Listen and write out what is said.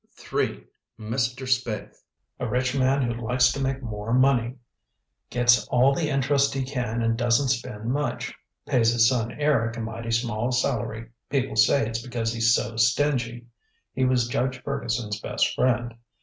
"3. Mr. Spaythe. A rich man who likes to make more money. Gets all the interest he can and doesn't spend much. Pays his son Eric a mighty small salary; people say it's because he's so stingy. He was Judge Ferguson's best friend.